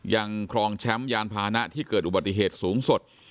ครองแชมป์ยานพาหนะที่เกิดอุบัติเหตุสูงสุด